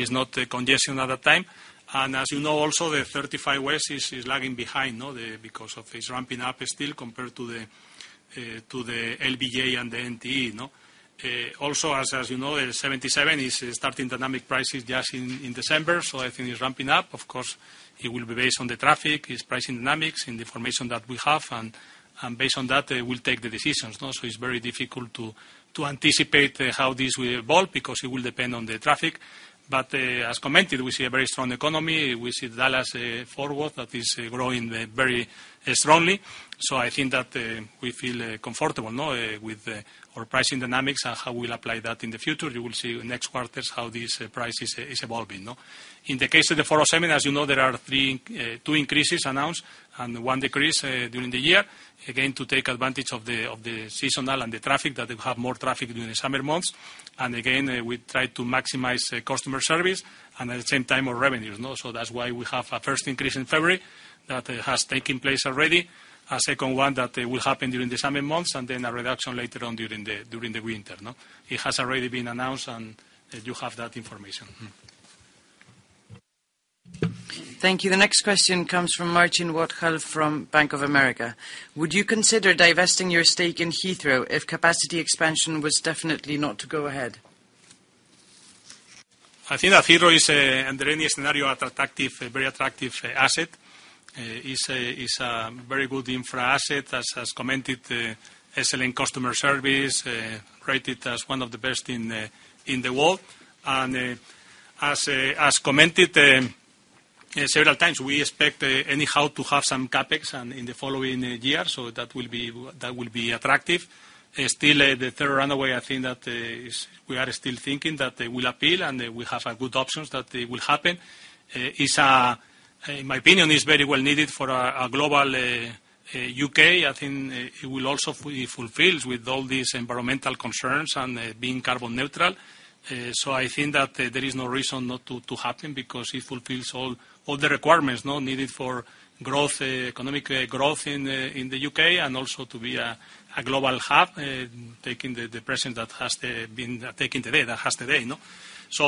is not congestion at a time. As you know also, the I-35W is lagging behind because of its ramping up still compared to the LBJ and the NT. Also, as you know, the 77 is starting dynamic pricing just in December, so I think it's ramping up. Of course, it will be based on the traffic, its pricing dynamics, and the information that we have. Based on that, we'll take the decisions. It's very difficult to anticipate how this will evolve, because it will depend on the traffic. As commented, we see a very strong economy. We see Dallas Fort Worth, that is growing very strongly. I think that we feel comfortable with our pricing dynamics and how we'll apply that in the future. You will see in next quarters how these prices is evolving. In the case of the 407, as you know, there are two increases announced and one decrease during the year, again, to take advantage of the seasonal and the traffic, that they have more traffic during the summer months. Again, we try to maximize customer service and at the same time our revenues. That's why we have a first increase in February, that has taken place already, a second one that will happen during the summer months, and then a reduction later on during the winter. It has already been announced, and you have that information. Thank you. The next question comes from Martin Whelton from Bank of America. "Would you consider divesting your stake in Heathrow if capacity expansion was definitely not to go ahead?" I think that Heathrow is, under any scenario, a very attractive asset. It's a very good infra asset, as commented, excellent customer service, rated as one of the best in the world. As commented several times, we expect anyhow to have some CapEx in the following year, so that will be attractive. Still, the third runway, I think that we are still thinking that will appeal, and we have good options that it will happen. In my opinion, it's very well needed for a global U.K. I think it will also fulfills with all these environmental concerns and being carbon neutral. I think that there is no reason not to happen, because it fulfills all the requirements needed for economic growth in the U.K. and also to be a global hub, taking the presence that has today.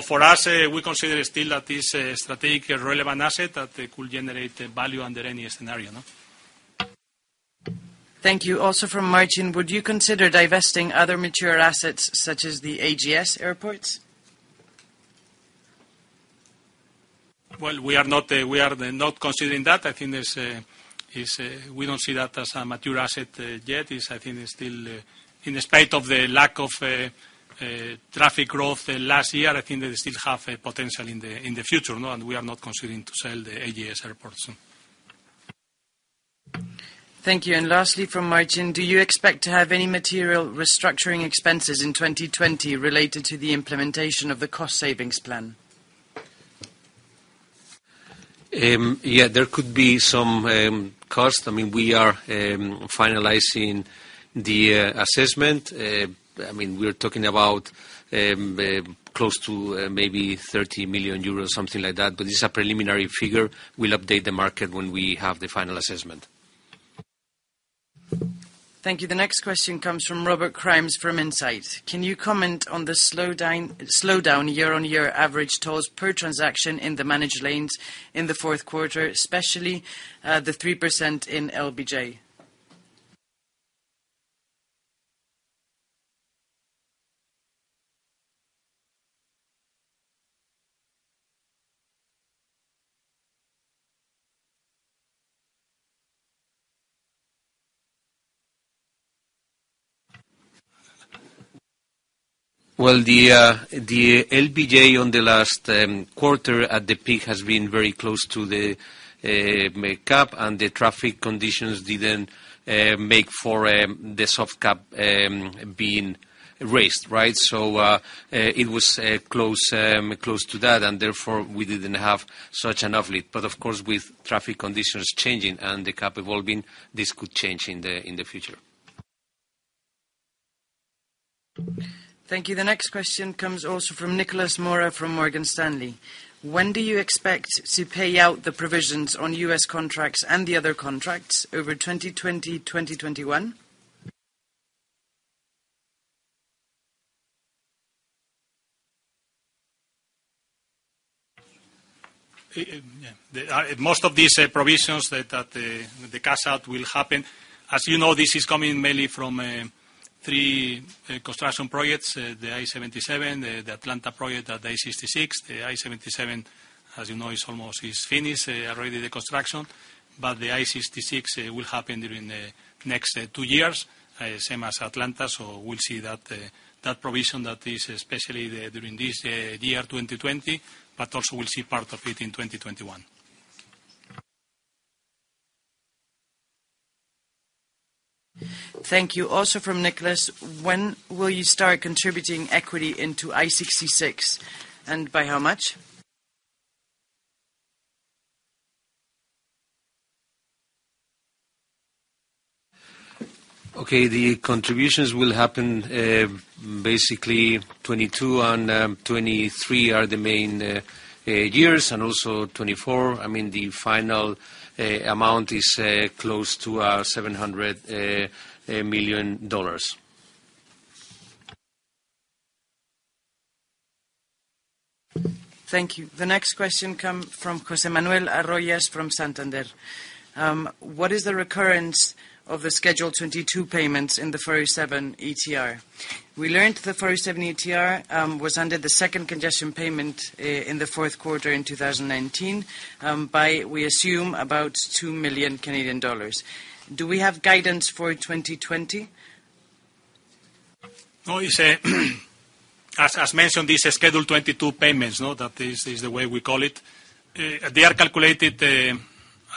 For us, we consider still that is a strategic relevant asset that could generate value under any scenario. Thank you. Also from Martin, "Would you consider divesting other mature assets such as the AGS Airports?" Well, we are not considering that. We don't see that as a mature asset yet. In spite of the lack of traffic growth last year, I think they still have a potential in the future, and we are not considering to sell the AGS Airports. Thank you. Lastly from Martin, "do you expect to have any material restructuring expenses in 2020 related to the implementation of the cost savings plan?" Yeah, there could be some cost. We are finalizing the assessment. We're talking about close to maybe 30 million euros, something like that, but it's a preliminary figure. We'll update the market when we have the final assessment. Thank you. The next question comes from Robert Crimes from Insight. "Can you comment on the slowdown year-on-year average tolls per transaction in the managed lanes in the fourth quarter, especially the 3% in LBJ?" Well, the LBJ on the last quarter at the peak has been very close to the cap, and the traffic conditions didn't make for the soft cap being raised. It was close to that, and therefore, we didn't have such an uplift. Of course, with traffic conditions changing and the cap evolving, this could change in the future. Thank you. The next question comes also from Nicolas Mora from Morgan Stanley. "When do you expect to pay out the provisions on U.S. contracts and the other contracts over 2020, 2021?" Most of these provisions that the cash out will happen, as you know, this is coming mainly from three construction projects, the I-77, the Atlanta project at the I-66. The I-77, as you know, is almost finished already the construction, but the I-66 will happen during the next two years, same as Atlanta. We'll see that provision that is especially during this year, 2020, but also we'll see part of it in 2021. Thank you. Also from Nicolas, "When will you start contributing equity into I-66, and by how much?" Okay. The contributions will happen basically 2022 and 2023 are the main years, and also 2024. The final amount is close to EUR 700 million. Thank you. The next question come from Jose Manuel Arroyo from Santander. "What is the recurrence of the Schedule 22 payments in the 407 ETR? We learned the 407 ETR was under the second congestion payment in the fourth quarter in 2019, by, we assume, about 2 million Canadian dollars. Do we have guidance for 2020?" No. As mentioned, these Schedule 22 payments, that is the way we call it. They are calculated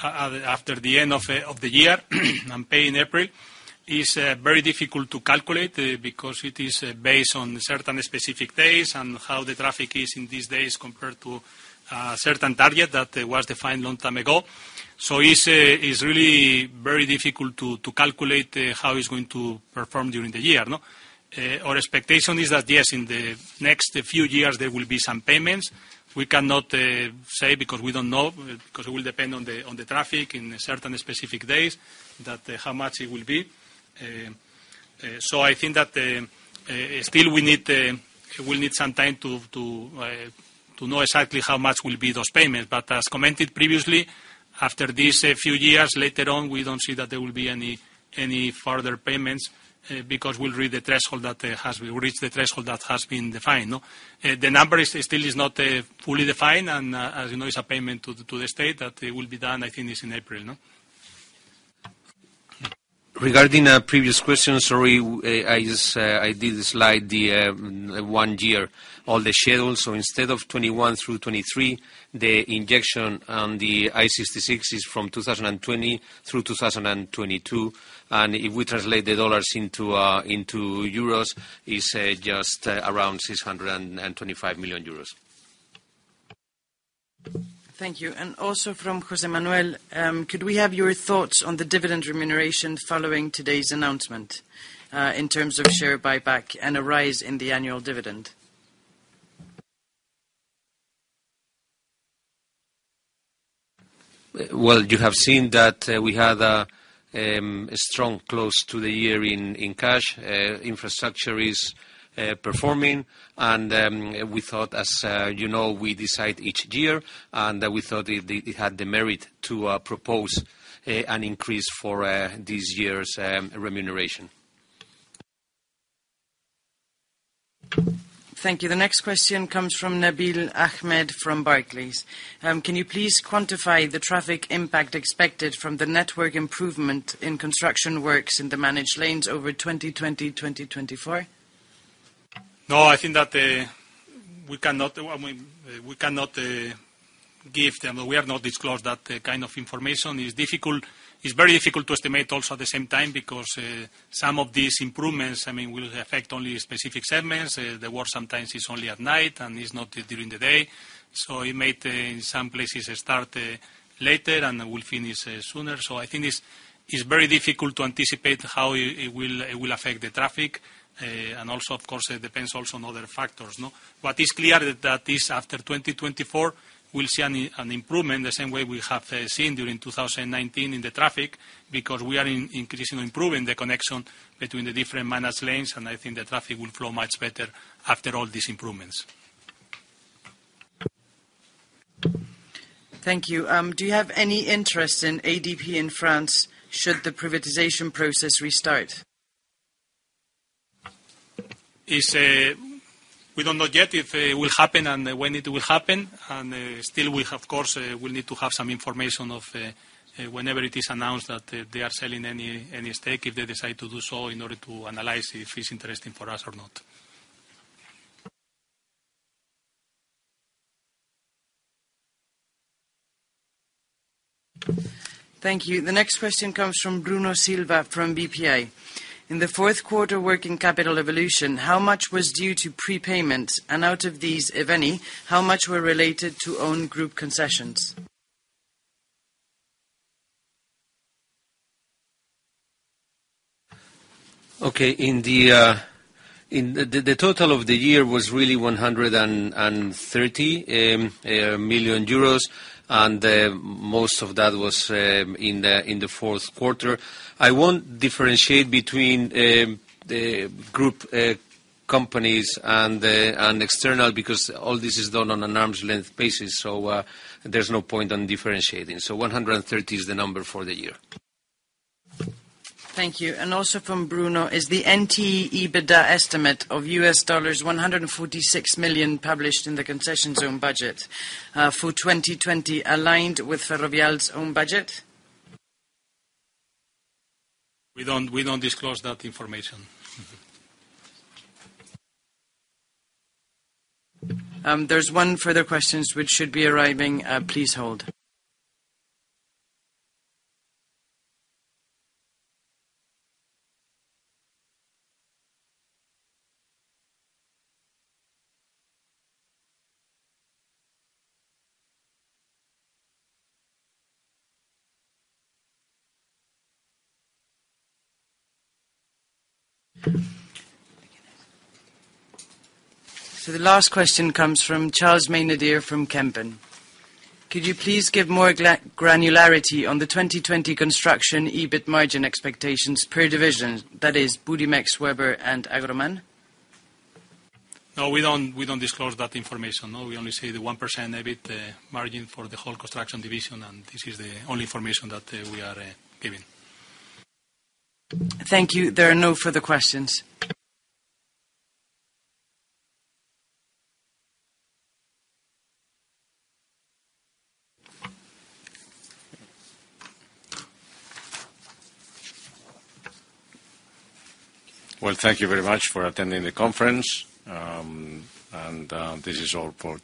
after the end of the year, and paid in April. It's very difficult to calculate, because it is based on certain specific days, and how the traffic is on these days compared to a certain target that was defined a long time ago. It's really very difficult to calculate how it's going to perform during the year. Our expectation is that, yes, in the next few years, there will be some payments. We cannot say because we don't know, because it will depend on the traffic on certain specific days, how much it will be. I think that still we need some time to know exactly how much will be those payments. As commented previously, after these few years, later on, we don't see that there will be any further payments, because we'll reach the threshold that has been defined. The number still is not fully defined, and as you know, it's a payment to the state that will be done, I think it's in April, no? Regarding a previous question, sorry, I did a slide, the one year, all the schedules. Instead of 2021 through 2023, the injection on the I-66 is from 2020 through 2022. If we translate the dollars into euros, it's just around 625 million euros. Thank you. Also from Jose Manuel, "Could we have your thoughts on the dividend remuneration following today's announcement, in terms of share buyback and a rise in the annual dividend?" Well, you have seen that we had a strong close to the year in cash. Infrastructure is performing. We thought, as you know, we decide each year, and we thought it had the merit to propose an increase for this year's remuneration. Thank you. The next question comes from Nabil Ahmed from Barclays. "Can you please quantify the traffic impact expected from the network improvement in construction works in the managed lanes over 2020, 2024?" No, I think that we cannot give them. We have not disclosed that kind of information. It's very difficult to estimate, also, at the same time, because some of these improvements will affect only specific segments. The work sometimes is only at night and is not during the day. It might in some places start later and will finish sooner. I think it's very difficult to anticipate how it will affect the traffic. Also, of course, it depends also on other factors. What is clear, that is after 2024, we'll see an improvement the same way we have seen during 2019 in the traffic, because we are increasing and improving the connection between the different managed lanes, and I think the traffic will flow much better after all these improvements. Thank you. "Do you have any interest in ADP in France, should the privatization process restart?" We don't know yet if it will happen and when it will happen. Still we, of course, will need to have some information of whenever it is announced that they are selling any stake, if they decide to do so, in order to analyze if it's interesting for us or not. Thank you. The next question comes from Bruno Silva from BPI. "In the fourth quarter working capital evolution, how much was due to prepayment? Out of these, if any, how much were related to own group concessions?" Okay. The total of the year was really 130 million euros. Most of that was in the fourth quarter. I won't differentiate between the group companies and external, because all this is done on an arm's length basis, so there's no point on differentiating. 130 is the number for the year. Thank you. Also from Bruno, "Is the NT EBITDA estimate of $146 million published in the concessions own budget for 2020 aligned with Ferrovial's own budget?" We don't disclose that information. There's one further question which should be arriving. Please hold. The last question comes from Charles Maynadier from Kempen. "Could you please give more granularity on the 2020 construction EBIT margin expectations per division, that is Budimex, Webber and Agroman?" No, we don't disclose that information. No, we only say the 1% EBIT margin for the whole construction division, and this is the only information that we are giving. Thank you. There are no further questions. Well, thank you very much for attending the conference. This is all for today.